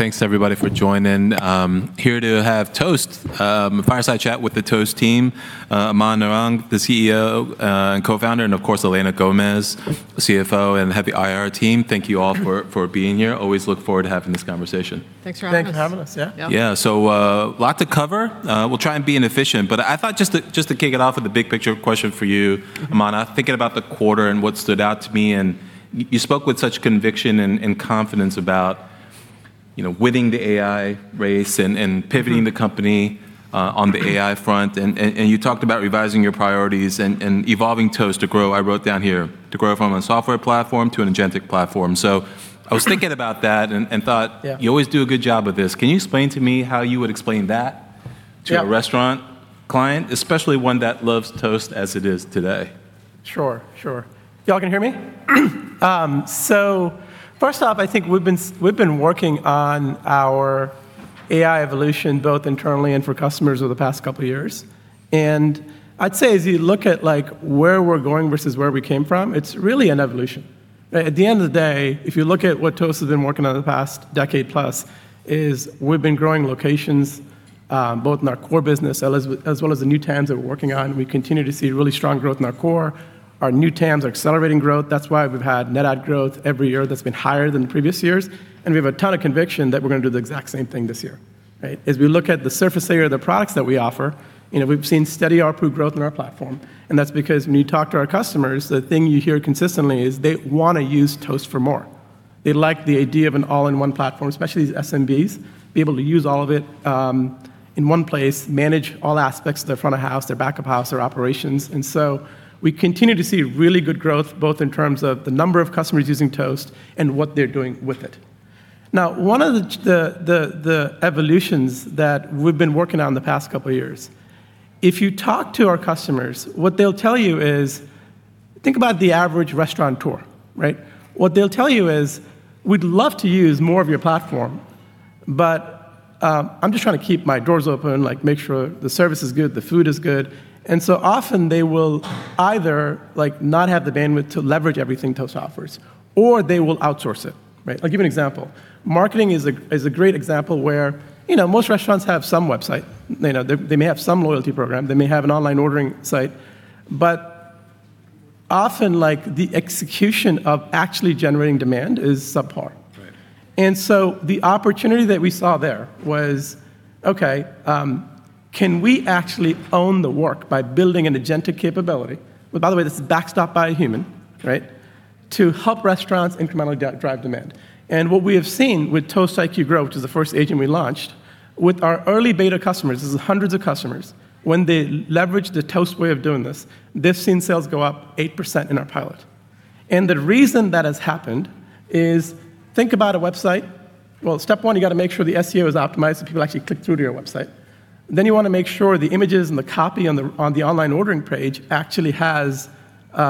Thanks everybody for joining. Here to have Toast, a fireside chat with the Toast team. Aman Narang, the CEO, and Co-Founder, and of course, Elena Gomez, the CFO, and the head of the IR team. Thank you all for being here. Always look forward to having this conversation. Thanks for having us. Thank you for having us. Yeah. Yeah. Yeah. A lot to cover. We'll try and be inefficient, but I thought just to kick it off with a big picture question for you. Aman. Thinking about the quarter and what stood out to me, you spoke with such conviction and confidence about, you know, winning the AI race and pivoting the company on the AI front. You talked about revising your priorities and evolving Toast to grow. I wrote down here, "To grow from a software platform to an agentic platform." I was thinking about that. Yeah. You always do a good job with this. Can you explain to me how you would explain that? Yeah. A restaurant client, especially one that loves Toast as it is today? Sure. Y'all can hear me? First off, I think we've been working on our AI evolution, both internally and for customers, over the past couple years. I'd say as you look at, like, where we're going versus where we came from, it's really an evolution, right? At the end of the day, if you look at what Toast has been working on in the past decade-plus, is we've been growing locations, both in our core business, as well as the new TAMs that we're working on. We continue to see really strong growth in our core. Our new TAMs are accelerating growth. That's why we've had net add growth every year that's been higher than previous years. We have a ton of conviction that we're gonna do the exact same thing this year, right? As we look at the surface area of the products that we offer, you know, we've seen steady ARPU growth in our platform, and that's because when you talk to our customers, the thing you hear consistently is they wanna use Toast for more. They like the idea of an all-in-one platform, especially these SMBs, be able to use all of it, in one place, manage all aspects of their front of house, their back of house, their operations. We continue to see really good growth, both in terms of the number of customers using Toast and what they're doing with it. One of the evolutions that we've been working on the past couple years, if you talk to our customers, what they'll tell you is, think about the average restaurateur, right? What they'll tell you is, "We'd love to use more of your platform, but I'm just trying to keep my doors open, like, make sure the service is good, the food is good." Often they will either, like, not have the bandwidth to leverage everything Toast offers, or they will outsource it, right? I'll give you an example. Marketing is a great example where, you know, most restaurants have some website. You know, they may have some loyalty program. They may have an online ordering site. Often, like, the execution of actually generating demand is subpar. Right. The opportunity that we saw there was, okay, can we actually own the work by building an agentic capability, which by the way, this is backstopped by a human, right, to help restaurants incrementally drive demand? What we have seen with Toast IQ Grow, which is the first agent we launched, with our early beta customers, this is hundreds of customers, when they leverage the Toast way of doing this, they've seen sales go up 8% in our pilot. The reason that has happened is, think about a website. Well, step one, you gotta make sure the SEO is optimized so people actually click through to your website. You wanna make sure the images and the copy on the, on the online ordering page actually has,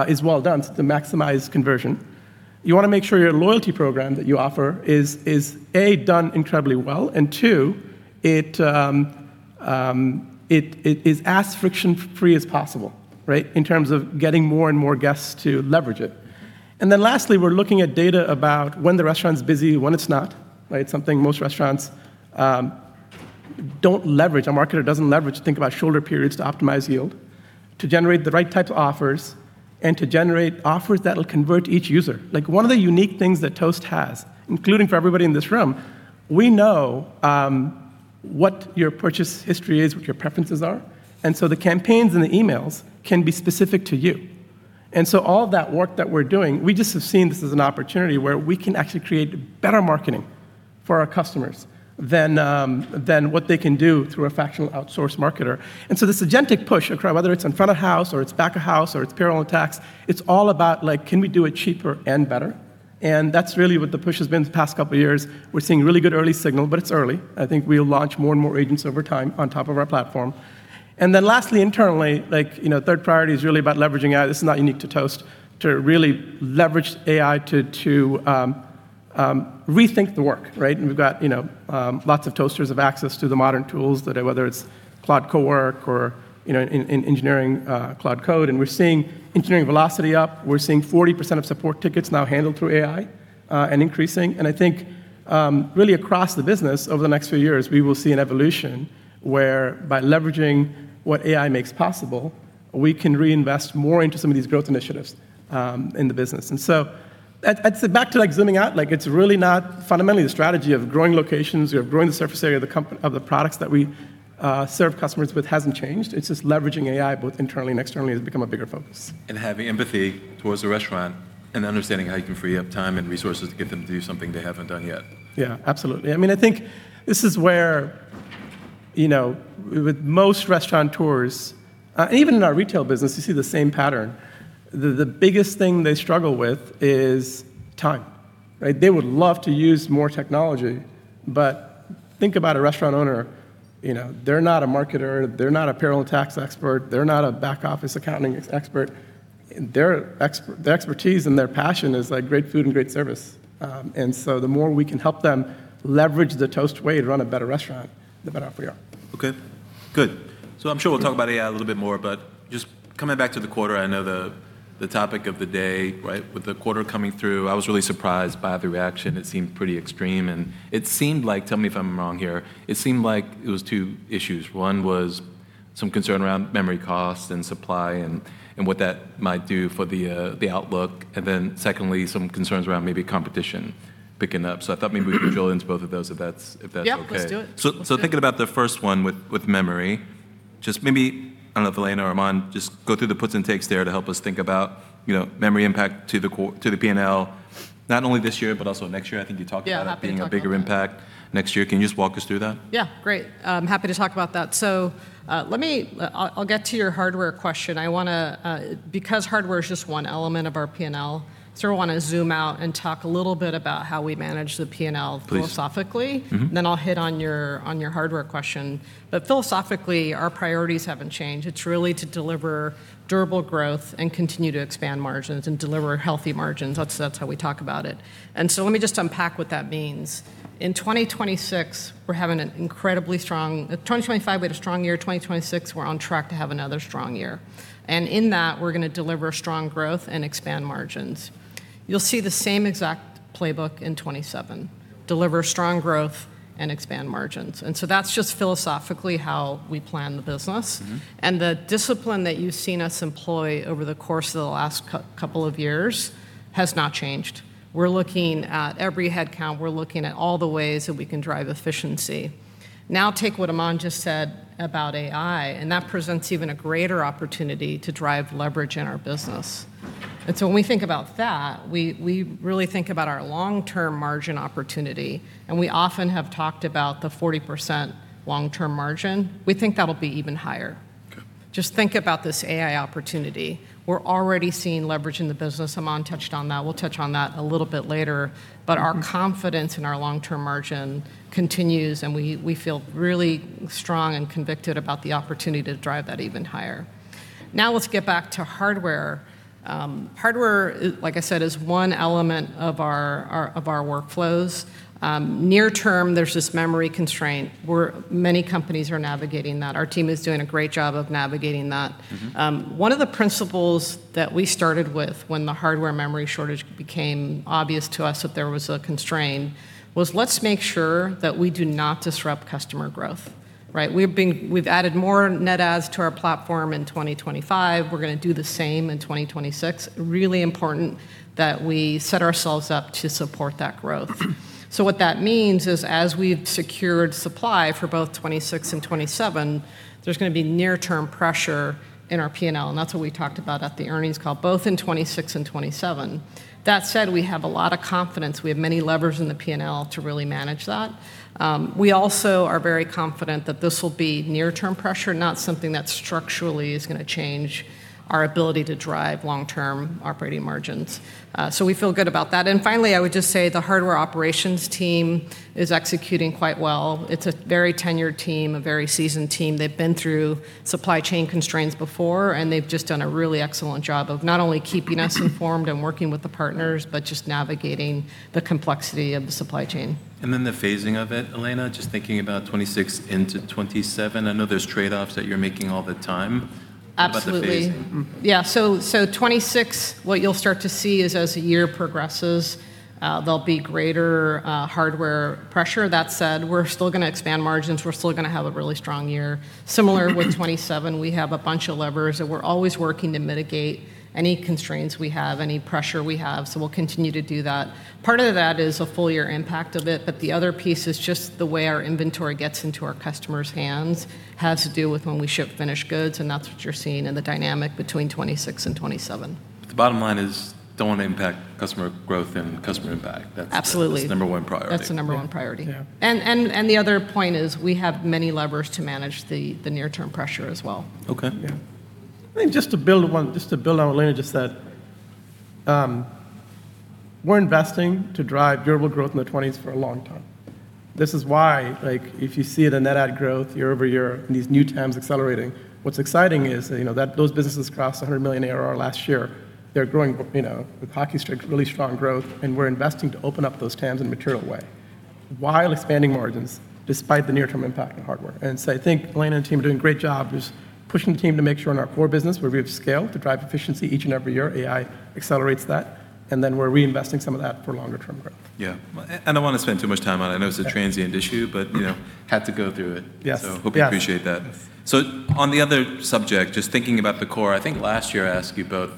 is well done to maximize conversion. You wanna make sure your loyalty program that you offer is A, done incredibly well, and two, it is as friction-free as possible, right, in terms of getting more and more guests to leverage it. Lastly, we're looking at data about when the restaurant's busy, when it's not, right? Something most restaurants don't leverage. A marketer doesn't leverage to think about shoulder periods to optimize yield, to generate the right types of offers, and to generate offers that'll convert each user. Like, one of the unique things that Toast has, including for everybody in this room, we know what your purchase history is, what your preferences are, so the campaigns and the emails can be specific to you. All that work that we're doing, we just have seen this as an opportunity where we can actually create better marketing for our customers than what they can do through a fractional outsource marketer. This agentic push, whether it's in front of house or it's back of house or it's payroll and tax, it's all about, like, can we do it cheaper and better? That's really what the push has been the past couple years. We're seeing really good early signal, but it's early. I think we'll launch more and more agents over time on top of our platform. Lastly, internally, like, you know, third priority is really about leveraging AI. This is not unique to Toast, to really leverage AI to rethink the work, right? We've got, you know, lots of Toasters have access to the modern tools that, whether it's Claude Code or, you know, in engineering, Claude Code, we're seeing engineering velocity up. We're seeing 40% of support tickets now handled through AI and increasing. I think, really across the business over the next few years, we will see an evolution where by leveraging what AI makes possible, we can reinvest more into some of these growth initiatives in the business. At back to, like, zooming out, like, it's really not fundamentally the strategy of growing locations or growing the surface area of the products that we serve customers with hasn't changed. It's just leveraging AI both internally and externally has become a bigger focus. Having empathy towards the restaurant and understanding how you can free up time and resources to get them to do something they haven't done yet. Yeah, absolutely. I mean, I think this is where, you know, with most restaurateurs, even in our retail business, you see the same pattern. The, the biggest thing they struggle with is time, right? They would love to use more technology, but think about a restaurant owner. You know, they're not a marketer. They're not a payroll and tax expert. They're not a back office accounting expert. Their expertise and their passion is, like, great food and great service. The more we can help them leverage the Toast way to run a better restaurant, the better off we are. Good. I'm sure we'll talk about AI a little bit more, but just coming back to the quarter, I know the topic of the day, right? With the quarter coming through, I was really surprised by the reaction. It seemed pretty extreme, and it seemed like, tell me if I'm wrong here, it seemed like it was two issues. One was some concern around memory cost and supply and what that might do for the outlook, secondly, some concerns around maybe competition picking up. I thought maybe we could drill into both of those if that's okay. Yep, let's do it. Let's do it. Thinking about the first one with memory, just maybe, I don't know, if Elena Gomez or Aman just go through the puts and takes there to help us think about, you know, memory impact to the P&L, not only this year, but also next year. I think you talked about it. Yeah, happy to talk about it. Being a bigger impact next year. Can you just walk us through that? Yeah, great. I'm happy to talk about that. I'll get to your hardware question. I wanna because hardware is just one element of our P&L, so I wanna zoom out and talk a little bit about how we manage the P&L. Please. Philosophically. Then I'll hit on your, on your hardware question. Philosophically, our priorities haven't changed. It's really to deliver durable growth and continue to expand margins and deliver healthy margins. That's how we talk about it. Let me just unpack what that means. In 2025, we had a strong year. 2026, we're on track to have another strong year. In that, we're gonna deliver strong growth and expand margins. You'll see the same exact playbook in 2027, deliver strong growth and expand margins. That's just philosophically how we plan the business. The discipline that you've seen us employ over the course of the last couple of years has not changed. We're looking at every headcount. We're looking at all the ways that we can drive efficiency. Now take what Aman just said about AI, and that presents even a greater opportunity to drive leverage in our business. When we think about that, we really think about our long-term margin opportunity, and we often have talked about the 40% long-term margin. We think that'll be even higher. Okay. Just think about this AI opportunity. We're already seeing leverage in the business. Aman touched on that. We'll touch on that a little bit later. Our confidence in our long-term margin continues, and we feel really strong and convicted about the opportunity to drive that even higher. Now let's get back to hardware. Hardware, like I said, is one element of our workflows. Near term, there's this memory constraint, where many companies are navigating that. Our team is doing a great job of navigating that. One of the principles that we started with when the hardware memory shortage became obvious to us that there was a constraint, was let's make sure that we do not disrupt customer growth, right? We've added more net adds to our platform in 2025. We're gonna do the same in 2026. Really important that we set ourselves up to support that growth. What that means is, as we've secured supply for both2026 and 2027, there's gonna be near-term pressure in our P&L, and that's what we talked about at the earnings call, both in 2026 and 2027. That said, we have a lot of confidence. We have many levers in the P&L to really manage that. We also are very confident that this will be near-term pressure, not something that structurally is going to change our ability to drive long-term operating margins. We feel good about that. Finally, I would just say the hardware operations team is executing quite well. It's a very tenured team, a very seasoned team. They've been through supply chain constraints before, and they've just done a really excellent job of not only keeping us informed and working with the partners, but just navigating the complexity of the supply chain. The phasing of it, Elena, just thinking about 2026 into 2027, I know there's trade-offs that you're making all the time. Absolutely. How about the phasing? Mm-hmm. Yeah. 2026, what you'll start to see is as the year progresses, there'll be greater hardware pressure. That said, we're still gonna expand margins. We're still gonna have a really strong year. Similar with 2027, we have a bunch of levers, and we're always working to mitigate any constraints we have, any pressure we have, so we'll continue to do that. Part of that is a full-year impact of it, the other piece is just the way our inventory gets into our customers' hands has to do with when we ship finished goods, and that's what you're seeing in the dynamic between 2026 and 2027. The bottom line is, don't want to impact customer growth and customer impact. Absolutely. That's number-one priority. That's the number-one priority. Yeah. The other point is, we have many levers to manage the near-term pressure as well. Okay. Yeah. I think just to build on what Elena just said, we're investing to drive durable growth in the 20s for a long time. This is why, like, if you see the net add growth year-over-year and these new TAMs accelerating, what's exciting is that, you know, those businesses crossed $100 million ARR last year. They're growing, you know, with hockey stick, really strong growth. We're investing to open up those TAMs in a material way while expanding margins despite the near-term impact of hardware. I think Elena and team are doing a great job just pushing the team to make sure in our core business where we have scale to drive efficiency each and every year. AI accelerates that. We're reinvesting some of that for longer-term growth. Yeah. I don't want to spend too much time on it. I know it's a transient issue, but, you know, had to go through it. Yes. Yeah. Hope you appreciate that. On the other subject, just thinking about the core, I think last year I asked you both,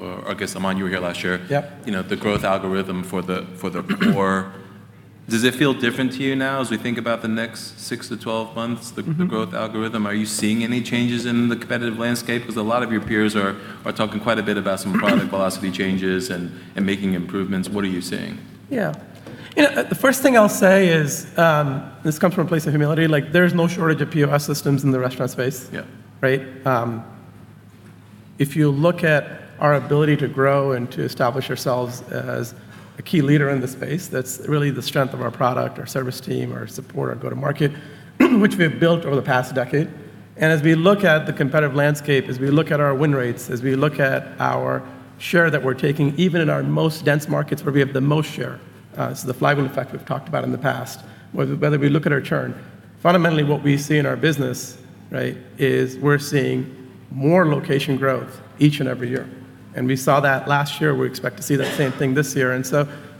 or I guess, Aman, you were here last year. Yep. You know, the growth algorithm for the core. Does it feel different to you now as we think about the next 6-12 months? The growth algorithm? Are you seeing any changes in the competitive landscape? A lot of your peers are talking quite a bit about some product philosophy changes and making improvements. What are you seeing? Yeah. You know, the first thing I'll say is, this comes from a place of humility, like there's no shortage of POS systems in the restaurant space. Yeah. Right? If you look at our ability to grow and to establish ourselves as a key leader in the space, that's really the strength of our product, our service team, our support, our go-to-market, which we have built over the past decade. As we look at the competitive landscape, as we look at our win rates, as we look at our share that we're taking, even in our most dense markets where we have the most share, the flywheel effect we've talked about in the past, whether we look at our churn, fundamentally, what we see in our business, right, is we're seeing more location growth each and every year. We saw that last year, we expect to see that same thing this year.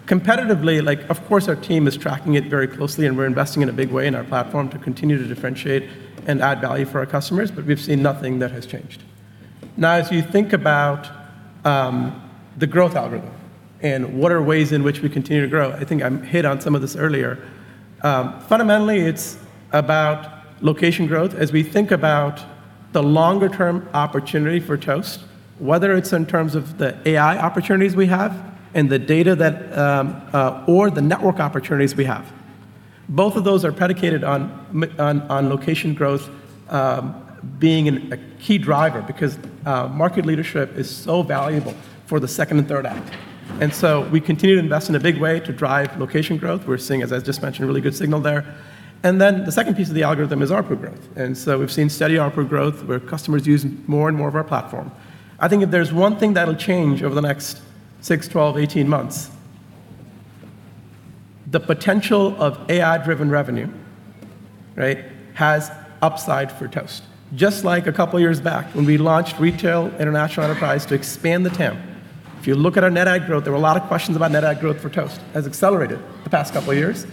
Competitively, like, of course, our team is tracking it very closely, and we're investing in a big way in our platform to continue to differentiate and add value for our customers, but we've seen nothing that has changed. Now, as you think about the growth algorithm and what are ways in which we continue to grow, I think I hit on some of this earlier. Fundamentally, it's about location growth. As we think about the longer-term opportunity for Toast, whether it's in terms of the AI opportunities we have and the data that or the network opportunities we have, both of those are predicated on on location growth being a key driver because market leadership is so valuable for the second and third act. We continue to invest in a big way to drive location growth. We're seeing, as I just mentioned, really good signal there. The second piece of the algorithm is ARPU growth. We've seen steady ARPU growth where customers use more and more of our platform. I think if there's one thing that'll change over the next six, 12, 18 months, the potential of AI-driven revenue, right, has upside for Toast. Just like a couple of years back when we launched Retail International Enterprise to expand the TAM. If you look at our net add growth, there were a lot of questions about net add growth for Toast, has accelerated the past couple of years.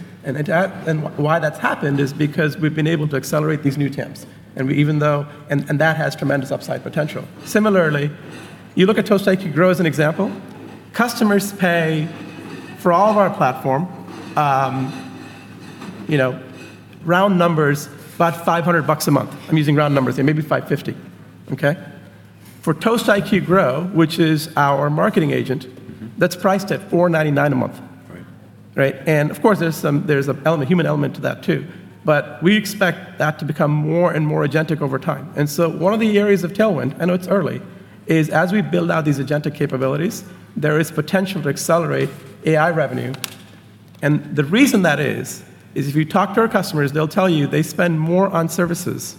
Why that's happened is because we've been able to accelerate these new TAMs. That has tremendous upside potential. Similarly, you look at Toast IQ Grow as an example. Customers pay for all of our platform, you know, round numbers about $500 a month. I'm using round numbers here, maybe $550, okay? For Toast IQ Grow, which is our marketing that's priced at $499 a month. Right. Right? Of course, there's some, there's an element, human element to that, too. We expect that to become more and more agentic over time. One of the areas of tailwind, I know it's early, is as we build out these agentic capabilities, there is potential to accelerate AI revenue. The reason that is if you talk to our customers, they'll tell you they spend more on services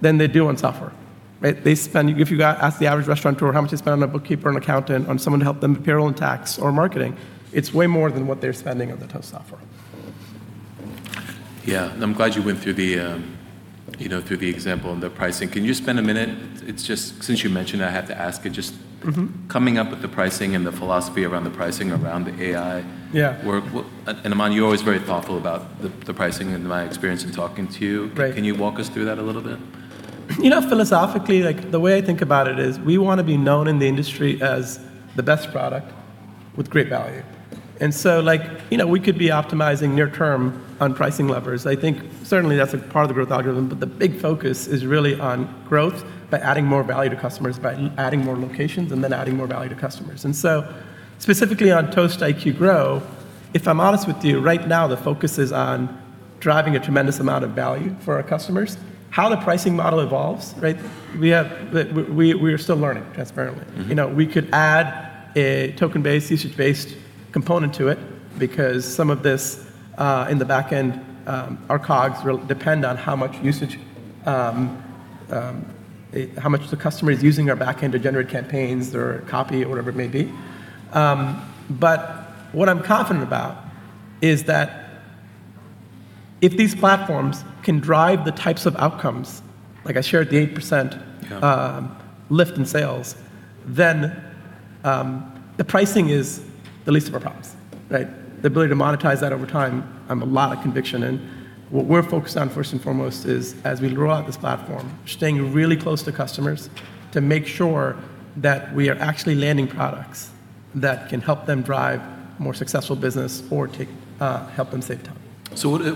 than they do on software, right? If you go ask the average restaurateur how much they spend on a bookkeeper, an accountant, on someone to help them with payroll and tax or marketing, it's way more than what they're spending on the Toast software. Yeah. I'm glad you went through the, you know, through the example and the pricing. Can you spend a minute? It is just since you mentioned it, I have to ask. Just coming up with the pricing and the philosophy around the pricing around the AI- Yeah. ...work. Aman, you're always very thoughtful about the pricing in my experience in talking to you. Right. Can you walk us through that a little bit? You know, philosophically, like, the way I think about it is we want to be known in the industry as the best product with great value. Like, you know, we could be optimizing near term on pricing levers. I think certainly that's a part of the growth algorithm, but the big focus is really on growth by adding more value to customers, by adding more locations, and then adding more value to customers. Specifically on Toast IQ Grow, if I'm honest with you, right now, the focus is on driving a tremendous amount of value for our customers. How the pricing model evolves, right, we have, we're still learning, transparently. You know, we could add a token-based, usage-based component to it because some of this in the back end, our COGS will depend on how much usage, how much the customer is using our back end to generate campaigns or copy or whatever it may be. What I'm confident about is that if these platforms can drive the types of outcomes, like I shared the 8%... Yeah. ...lift in sales, then, the pricing is the least of our problems, right? The ability to monetize that over time, I'm a lot of conviction in. What we're focused on first and foremost is, as we grow out this platform, staying really close to customers to make sure that we are actually landing products that can help them drive more successful business or take, help them save time.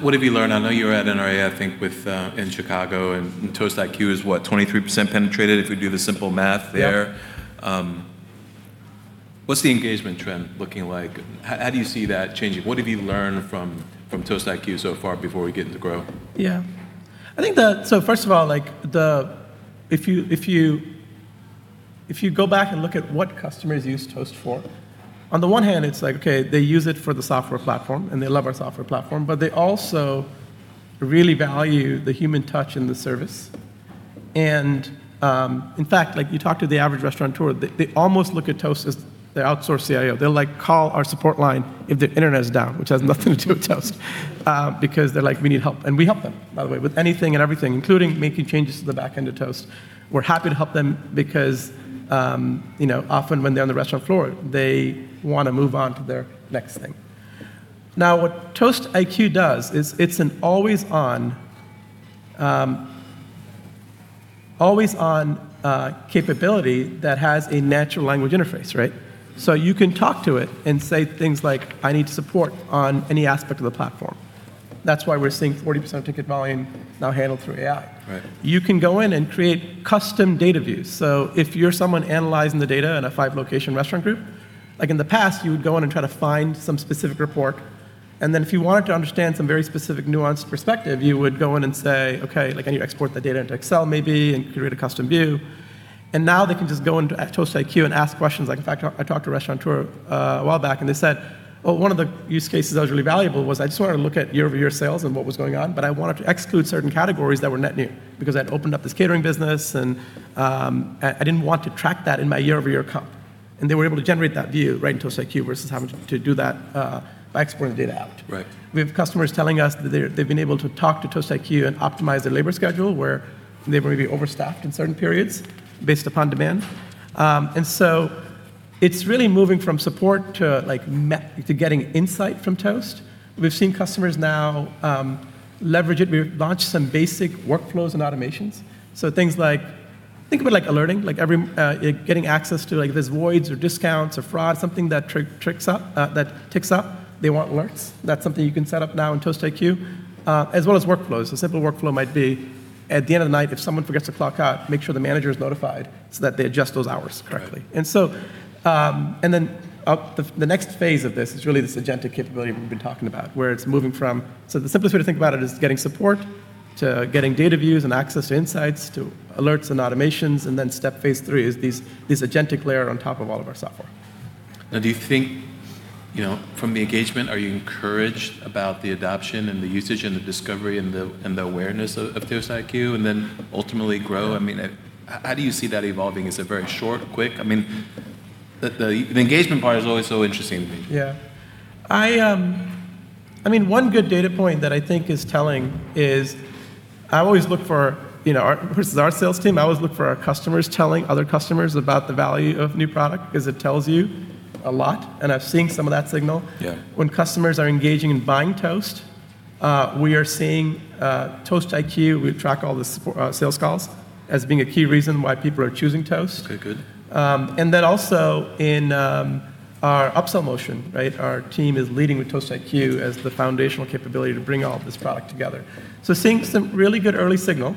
What did we learn? I know you were at NRA, I think, with in Chicago, and Toast IQ is what? 23% penetrated if we do the simple math there. Yep. What's the engagement trend looking like? How do you see that changing? What have you learned from Toast IQ so far before we get into Grow? I think that first of all, if you go back and look at what customers use Toast for, on the one hand, it's they use it for the software platform, and they love our software platform, but they also really value the human touch in the service. In fact, you talk to the average restaurateur, they almost look at Toast as their outsourced CIO. They'll call our support line if the internet is down, which has nothing to do with Toast, because they're "We need help." We help them, by the way, with anything and everything, including making changes to the back end of Toast. We're happy to help them because, you know, often when they're on the restaurant floor, they want to move on to their next thing. Now, what Toast IQ does is it's an always on, always on capability that has a natural language interface, right? You can talk to it and say things like, "I need support on any aspect of the platform." That's why we're seeing 40% of ticket volume now handled through AI. Right. You can go in and create custom data views. If you're someone analyzing the data in a five-location restaurant group, like in the past, you would go in and try to find some specific report, and then if you wanted to understand some very specific nuanced perspective, you would go in and say, "Okay, like, I need to export the data into Excel maybe, and create a custom view." Now they can just go into Toast IQ and ask questions like In fact, I talked to a restaurateur a while back, and they said, "Well, one of the use cases that was really valuable was I just wanted to look at year-over-year sales and what was going on, but I wanted to exclude certain categories that were net new because I'd opened up this catering business, and I didn't want to track that in my year-over-year comp." They were able to generate that view right in Toast IQ versus having to do that by exporting data out. Right. We have customers telling us that they've been able to talk to Toast IQ and optimize their labor schedule, where they may be overstaffed in certain periods based upon demand. It's really moving from support to getting insight from Toast. We've seen customers now leverage it. We've launched some basic workflows and automations. Things like, think about, like, alerting, every getting access to, like, there's voids or discounts or fraud, something that ticks up, they want alerts. That's something you can set up now in Toast IQ, as well as workflows. A simple workflow might be at the end of the night if someone forgets to clock out, make sure the manager is notified so that they adjust those hours correctly. Right. The next phase of this is really this agentic capability we've been talking about, where it's moving from the simplest way to think about it is getting support, to getting data views and access to insights, to alerts and automations, and then step phase three is this agentic layer on top of all of our software. Now, do you think, you know, from the engagement, are you encouraged about the adoption and the usage and the discovery and the, and the awareness of Toast IQ, and then ultimately Grow? I mean, how do you see that evolving? Is it very short, quick? I mean, the engagement part is always so interesting to me. Yeah. I mean, one good data point that I think is telling is I always look for, you know, our versus our sales team, I always look for our customers telling other customers about the value of a new product 'cause it tells you a lot, and I've seen some of that signal. Yeah. When customers are engaging in buying Toast, we are seeing, Toast IQ, we track all the support, sales calls, as being a key reason why people are choosing Toast. Okay, good. Also in our upsell motion, right, our team is leading with Toast IQ as the foundational capability to bring all of this product together. Seeing some really good early signal.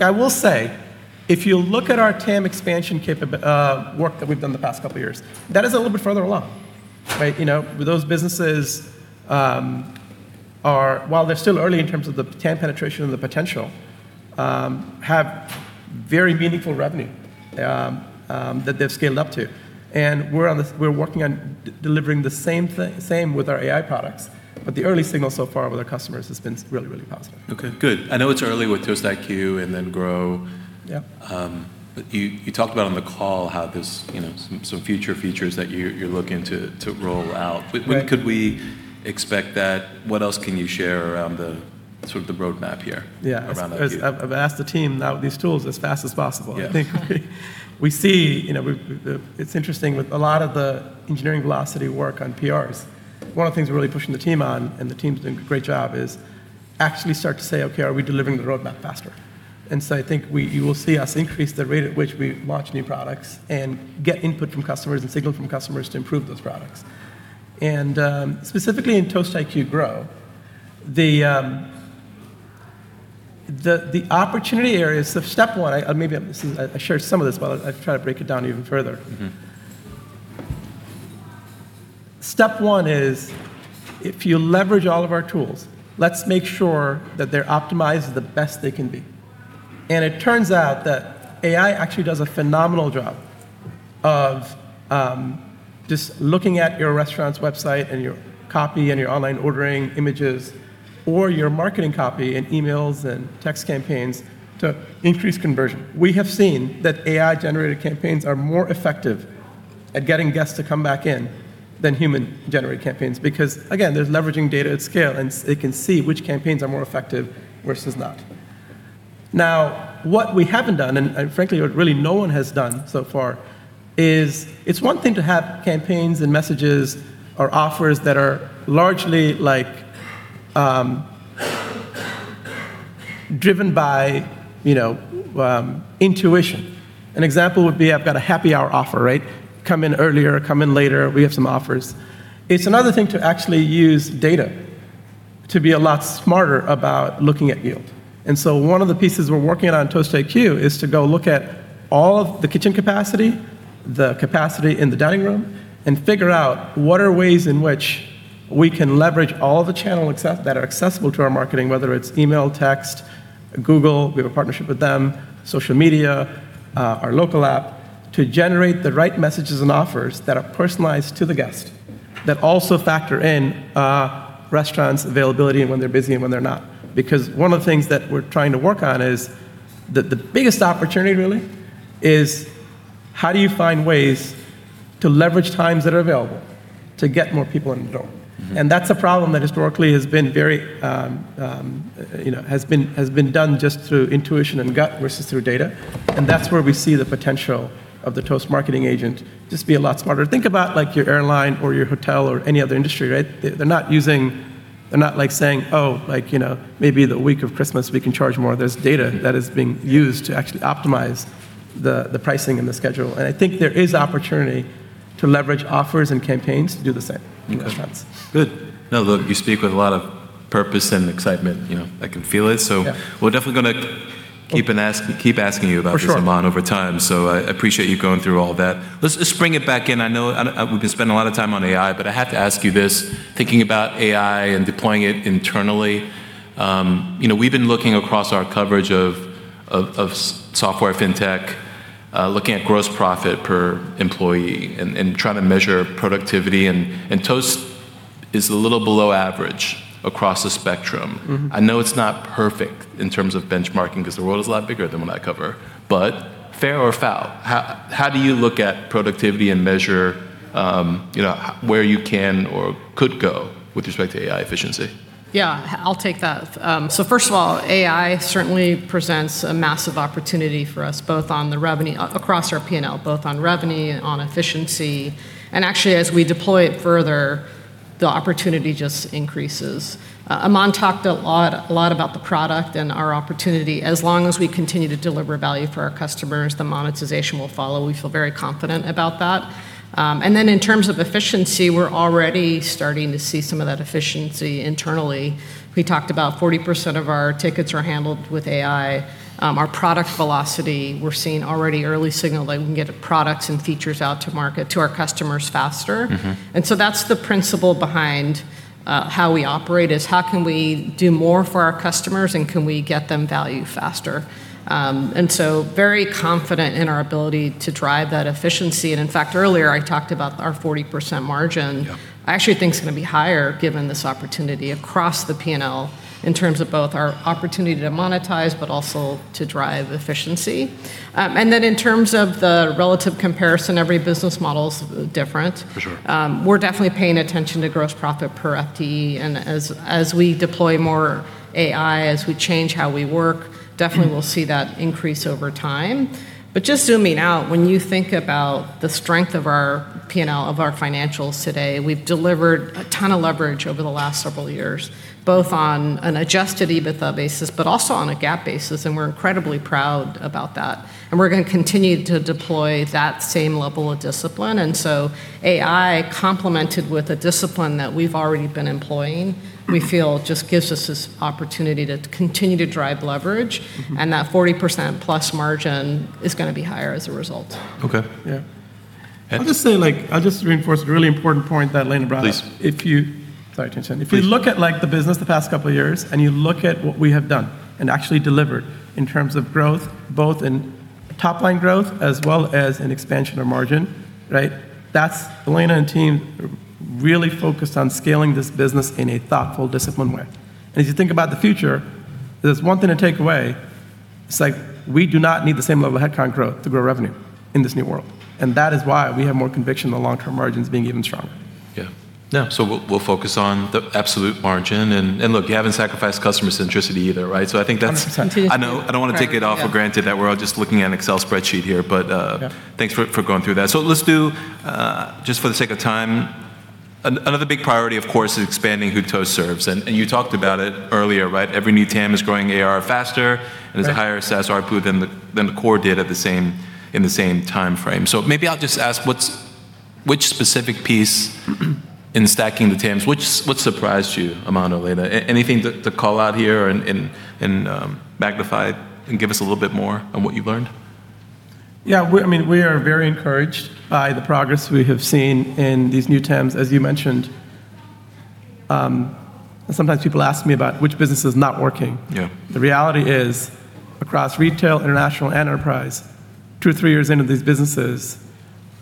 I will say, if you look at our TAM expansion work that we've done the past couple years, that is a little bit further along, right? You know, those businesses are, while they're still early in terms of the TAM penetration and the potential, have very meaningful revenue that they've scaled up to. We're on the, we're working on delivering the same with our AI products, but the early signal so far with our customers has been really positive. Okay, good. I know it's early with Toast IQ and then Grow. Yeah. You talked about on the call how there's, you know, some future features that you're looking to roll out. Right. When could we expect that? What else can you share around the, sort of the roadmap here? Yeah Around that view? I've asked the team now these tools as fast as possible. Yes. I think we see, you know, it's interesting with a lot of the engineering velocity work on PRs, one of the things we're really pushing the team on, and the team's doing a great job, is actually start to say, "Okay, are we delivering the roadmap faster?" I think we, you will see us increase the rate at which we launch new products and get input from customers and signal from customers to improve those products. Specifically in Toast IQ Grow, the opportunity areas of step one, maybe I'm missing, I shared some of this, but I'll try to break it down even further. Step one is if you leverage all of our tools, let's make sure that they're optimized the best they can be. It turns out that AI actually does a phenomenal job of, just looking at your restaurant's website and your copy and your online ordering images or your marketing copy and emails and text campaigns to increase conversion. We have seen that AI-generated campaigns are more effective at getting guests to come back in than human-generated campaigns because, again, they're leveraging data at scale, and it's, it can see which campaigns are more effective versus not. What we haven't done, and frankly, what really no one has done so far, is it's one thing to have campaigns and messages or offers that are largely, like, driven by, you know, intuition. An example would be I've got a happy hour offer, right? Come in earlier, come in later, we have some offers. It's another thing to actually use data to be a lot smarter about looking at yield. One of the pieces we're working on in Toast IQ is to go look at all of the kitchen capacity, the capacity in the dining room, and figure out what are ways in which we can leverage all the channels that are accessible to our marketing, whether it's email, text, Google, we have a partnership with them, social media, Local app, to generate the right messages and offers that are personalized to the guest that also factor in restaurant's availability and when they're busy and when they're not. One of the things that we're trying to work on is the biggest opportunity really is how do you find ways to leverage times that are available to get more people in the door? That's a problem that historically has been very, you know, has been done just through intuition and gut versus through data, and that's where we see the potential of the Toast marketing agent, just be a lot smarter. Think about, like, your airline or your hotel or any other industry, right? They're not, like, saying, "Oh," like, you know, "maybe the week of Christmas we can charge more." There's data that is being used to actually optimize the pricing and the schedule, and I think there is opportunity to leverage offers and campaigns to do the same in restaurants. Okay. Good. No, look, you speak with a lot of purpose and excitement. You know, I can feel it. Yeah. We're definitely going to keep on asking you about this. For sure. Aman, over time, I appreciate you going through all that. Let's bring it back in. We've been spending a lot of time on AI, but I have to ask you this. Thinking about AI and deploying it internally, you know, we've been looking across our coverage of software, fintech, looking at gross profit per employee and trying to measure productivity and Toast is a little below average across the spectrum. I know it's not perfect in terms of benchmarking 'cause the world is a lot bigger than what I cover. Fair or foul, how do you look at productivity and measure, you know, where you can or could go with respect to AI efficiency? Yeah. I'll take that. First of all, AI certainly presents a massive opportunity for us, both on the revenue, across our P&L, both on revenue, on efficiency, and actually, as we deploy it further, the opportunity just increases. Aman talked a lot about the product and our opportunity. As long as we continue to deliver value for our customers, the monetization will follow. We feel very confident about that. Then in terms of efficiency, we're already starting to see some of that efficiency internally. We talked about 40% of our tickets are handled with AI. Our product velocity, we're seeing already early signal that we can get products and features out to market to our customers faster. That's the principle behind how we operate, is how can we do more for our customers, and can we get them value faster? Very confident in our ability to drive that efficiency, and in fact, earlier, I talked about our 40% margin. Yeah. I actually think it's gonna be higher given this opportunity across the P&L in terms of both our opportunity to monetize, but also to drive efficiency. In terms of the relative comparison, every business model's different. For sure. We're definitely paying attention to gross profit per FTE, as we deploy more AI, as we change how we work. Definitely we'll see that increase over time. Just zooming out, when you think about the strength of our P&L, of our financials today, we've delivered a ton of leverage over the last several years, both on an adjusted EBITDA basis, but also on a GAAP basis, and we're incredibly proud about that, and we're gonna continue to deploy that same level of discipline. AI complemented with the discipline that we've already been employing. We feel just gives us this opportunity to continue to drive leverage. That 40%+ margin is gonna be higher as a result. Okay. Yeah. And- I'll just say, like, I'll just reinforce a really important point that Elena Gomez brought up. Please. Sorry to interrupt. Please. If you look at, like, the business the past couple of years, and you look at what we have done and actually delivered in terms of growth, both in top line growth as well as in expansion of margin, right? That's Elena and team really focused on scaling this business in a thoughtful, disciplined way. As you think about the future, there's one thing to take away, it's like we do not need the same level of headcount growth to grow revenue in this new world, and that is why we have more conviction the long-term margin's being even stronger. Now, we'll focus on the absolute margin. Look, you haven't sacrificed customer centricity either, right? I think that's. Continue to- I know. I don't want to take it all for granted. Yeah. That we're all just looking at an Excel spreadsheet here. Yeah. Thanks for going through that. Let's do just for the sake of time, another big priority, of course, is expanding who Toast serves. You talked about it earlier, right? Every new TAM is growing ARR faster, and it's a higher SaaS ARPU than the core did at the same, in the same timeframe. Maybe I'll just ask, which specific piece in stacking the TAMs, what surprised you, Aman or Elena? Anything to call out here and magnify it and give us a little bit more on what you've learned? Yeah. We, I mean, we are very encouraged by the progress we have seen in these new TAMs, as you mentioned. Sometimes people ask me about which business is not working. Yeah. The reality is, across retail, international, and enterprise, two, three years into these businesses,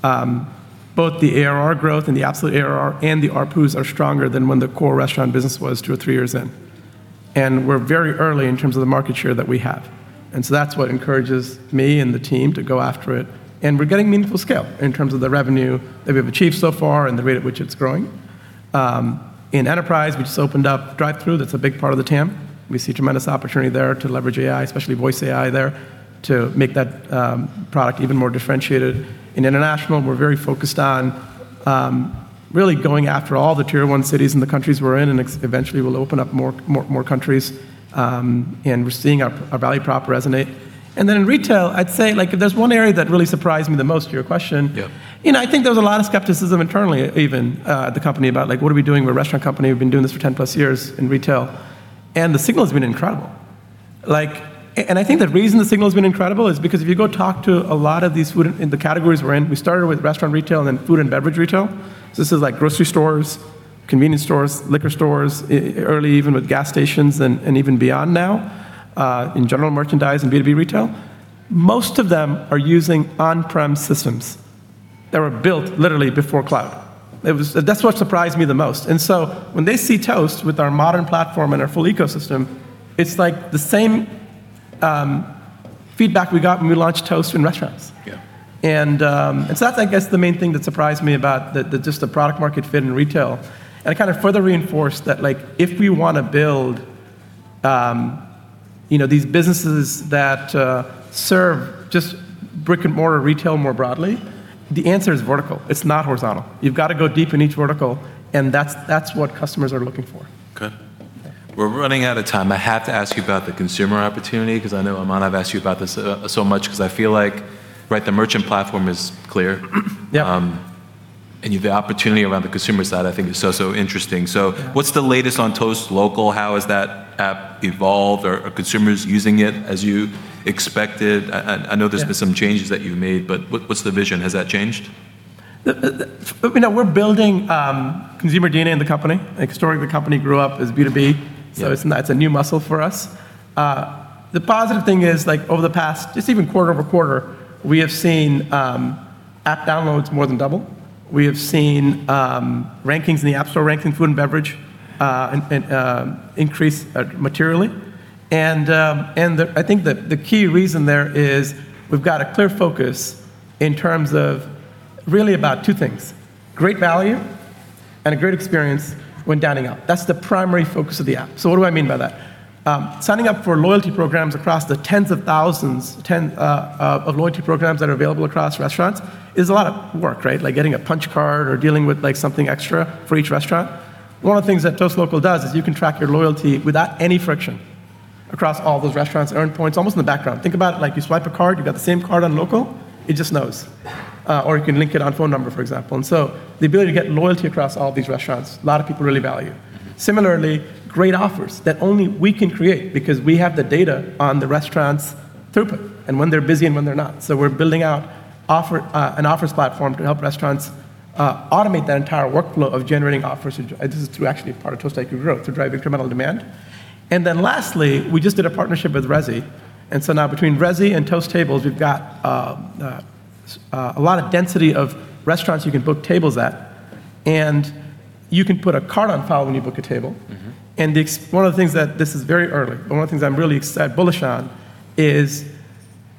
both the ARR growth and the absolute ARR and the ARPUs are stronger than when the core restaurant business was two or three years in. We're very early in terms of the market share that we have, and so that's what encourages me and the team to go after it. We're getting meaningful scale in terms of the revenue that we have achieved so far and the rate at which it's growing. In enterprise, we just opened up drive-thru. That's a big part of the TAM. We see tremendous opportunity there to leverage AI, especially voice AI there, to make that product even more differentiated. In international, we're very focused on really going after all the tier one cities in the countries we're in, and eventually we'll open up more countries. We're seeing our value prop resonate. Then in retail, I'd say, like, if there's one area that really surprised me the most to your question. Yeah. You know, I think there was a lot of skepticism internally, even, at the company about, like, what are we doing? We're a restaurant company. We've been doing this for 10+ years in retail. The signal's been incredible. Like, I think the reason the signal's been incredible is because if you go talk to a lot of these food in the categories we're in, we started with restaurant retail and then food and beverage retail. This is like grocery stores, convenience stores, liquor stores, early even with gas stations and even beyond now, in general merchandise and B2B retail. Most of them are using on-prem systems that were built literally before cloud. That's what surprised me the most. When they see Toast with our modern platform and our full ecosystem, it's like the same feedback we got when we launched Toast in restaurants. Yeah. That's, I guess, the main thing that surprised me about just the product market fit in retail. It kind of further reinforced that, like, if we wanna build, you know, these businesses that serve just brick-and-mortar retail more broadly, the answer is vertical. It's not horizontal. You've got to go deep in each vertical, and that's what customers are looking for. Okay. We're running out of time. I have to ask you about the consumer opportunity, 'cause I know, Aman, I've asked you about this so much, 'cause I feel like, right, the merchant platform is clear. Yeah. You have the opportunity around the consumer side I think is so interesting. What's the latest on Toast Local? How has that app evolved? Are consumers using it as you expected? I know there's been some changes that you've made, but what's the vision? Has that changed? We know we're building consumer DNA in the company. Like, historically, the company grew up as B2B. Yeah. It's a new muscle for us. The positive thing is, like, over the past, just even quarter-over-quarter, we have seen app downloads more than double. We have seen rankings in the App Store, ranking food and beverage, and increase materially. I think the key reason there is we've got a clear focus in terms of really about two things, great value and a great experience when dining out. That's the primary focus of the app. What do I mean by that? Signing up for loyalty programs across the tens of thousands of loyalty programs that are available across restaurants is a lot of work, right? Like, getting a punch card or dealing with, like, something extra for each restaurant. One of the things that Toast Local does is you can track your loyalty without any friction across all those restaurants, earn points almost in the background. Think about it like you swipe a card, you've got the same card on Local, it just knows. You can link it on phone number, for example. The ability to get loyalty across all these restaurants, a lot of people really value. Similarly, great offers that only we can create because we have the data on the restaurant's throughput and when they're busy and when they're not. We're building out offer, an offers platform to help restaurants automate that entire workflow of generating offers, which this is through actually part of Toast IQ Grow to drive incremental demand. Lastly, we just did a partnership with Resy, and so now between Resy and Toast Tables, we've got a lot of density of restaurants you can book tables at. Right. You can put a card on file when you book a table. One of the things that, this is very early, but one of the things I'm really bullish on is,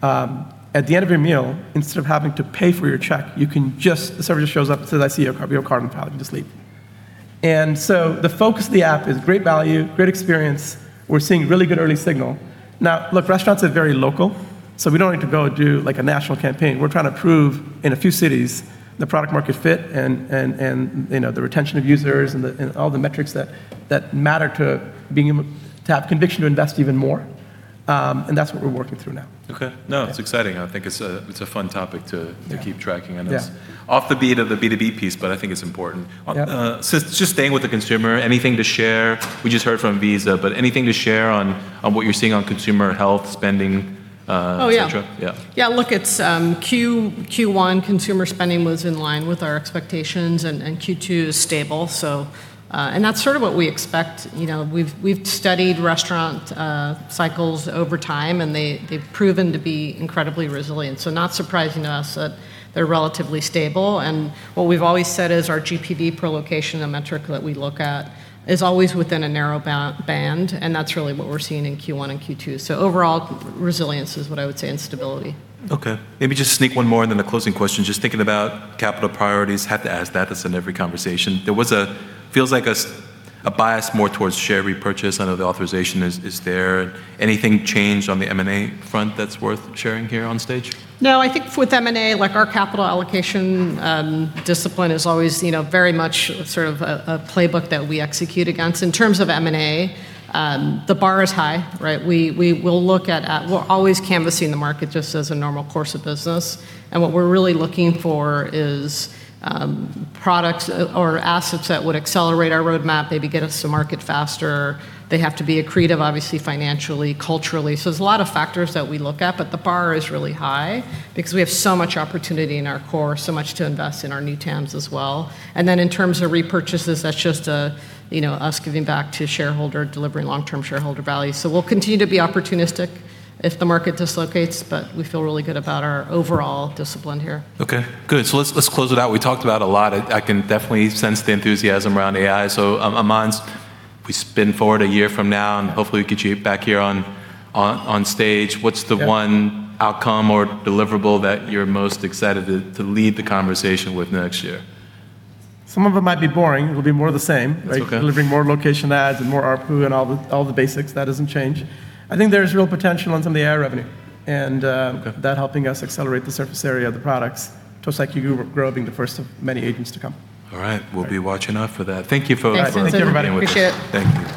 at the end of your meal, instead of having to pay for your check, you can just, the server just shows up and says, "I see your card on file." You just leave. The focus of the app is great value, great experience. We're seeing really good early signal. Now, look, restaurants are very local, so we don't need to go do, like, a national campaign. We're trying to prove in a few cities the product market fit and, you know, the retention of users and the, and all the metrics that matter to being able to have conviction to invest even more. That's what we're working through now. Okay. No, it's exciting. I think it's a fun topic to keep. Yeah tracking on this. Yeah. Off the beat of the B2B piece, I think it's important. Yeah. Just staying with the consumer, anything to share? We just heard from Visa, but anything to share on what you're seeing on consumer health spending? Oh, yeah. et cetera? Yeah. Yeah, look, it's Q1 consumer spending was in line with our expectations, Q2 is stable, that's sort of what we expect. You know, we've studied restaurant cycles over time, they've proven to be incredibly resilient, not surprising to us that they're relatively stable. What we've always said is our GPV per location, a metric that we look at, is always within a narrow band, that's really what we're seeing in Q1 and Q2. Overall, resilience is what I would say, and stability. Okay. Maybe just sneak one more and then the closing question. Thinking about capital priorities, had to ask that. That's in every conversation. There was a, feels like a bias more towards share repurchase. I know the authorization is there. Anything changed on the M&A front that's worth sharing here on stage? I think with M&A, like, our capital allocation discipline is always, you know, very much sort of a playbook that we execute against. In terms of M&A, the bar is high, right? We're always canvassing the market just as a normal course of business, what we're really looking for is products or assets that would accelerate our roadmap, maybe get us to market faster. They have to be accretive, obviously financially, culturally. There's a lot of factors that we look at, the bar is really high because we have so much opportunity in our core, so much to invest in our new TAMs as well. In terms of repurchases, that's just, you know, us giving back to shareholder, delivering long-term shareholder value. We'll continue to be opportunistic if the market dislocates, but we feel really good about our overall discipline here. Okay, good. Let's close it out. We talked about a lot. I can definitely sense the enthusiasm around AI. Aman, we spin forward a year from now, and hopefully we get you back here on stage. What's the one- Yeah. ...outcome or deliverable that you're most excited to lead the conversation with next year? Some of it might be boring. It'll be more of the same. That's okay. Like, delivering more location adds and more ARPU and all the basics. That doesn't change. I think there's real potential on some of the AI revenue. Okay that helping us accelerate the surface area of the products. Toast IQ Grow being the first of many agents to come. All right. We'll be watching out for that. Thank you, folks. Thanks, guys. Thank you, everybody. Appreciate it. Thank you.